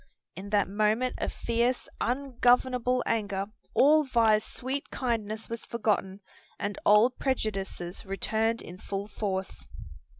In that moment of fierce, ungovernable anger all Vi's sweet kindness was forgotten and old prejudices returned in full force.